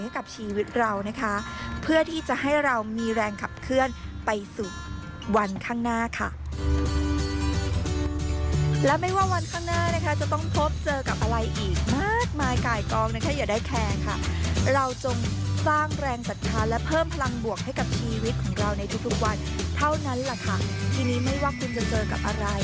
และเราจะเห็นรูทางทางออกของชีวิตได้อย่างแน่นอนค่ะ